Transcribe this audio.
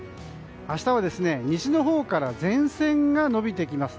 明日は西のほうから前線が延びてきます。